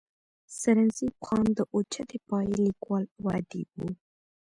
سرنزېب خان د اوچتې پائې ليکوال او اديب وو